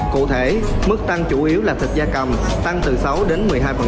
cụ thể mức tăng chủ yếu là thịt da cầm tăng từ sáu đến một mươi hai